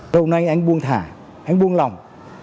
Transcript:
hôm nay anh buông thả anh buông lòng